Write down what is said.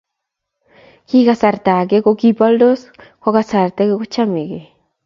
kikasarta age kokiboldos ko kasarta age kochamegei